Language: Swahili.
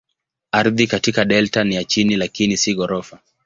Ardhi katika delta ni ya chini lakini si ghorofa.